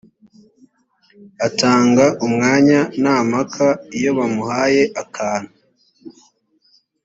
atanga umwanya nta mpaka iyo bamuhaye akantu